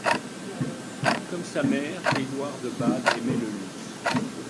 Comme sa mère, Édouard de Bade aimait le luxe.